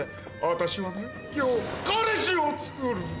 私はね今日彼氏をつくるの。